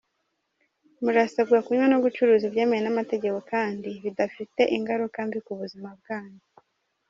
Murasabwa kunywa no gucuruza ibyemewe n’amategeko, kandi bidafite ingaruka mbi ku buzima bwanyu."